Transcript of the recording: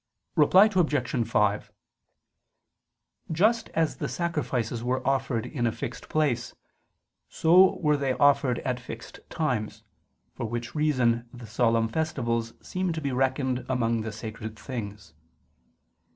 Reply Obj. 5: Just as the sacrifices were offered in a fixed place, so were they offered at fixed times: for which reason the solemn festivals seem to be reckoned among the sacred things.